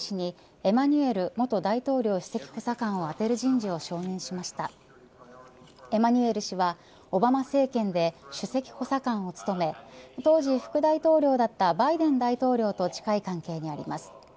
エマニュエル氏は、オバマ政権で首席補佐官を務め当時副大統領だったバイデン大統領と近い関係にあります。